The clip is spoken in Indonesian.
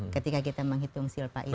ketika kita menghitung silpa itu